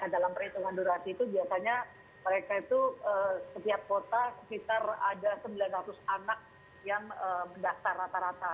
dalam perhitungan durasi itu biasanya mereka itu setiap kota sekitar ada sembilan ratus anak yang mendaftar rata rata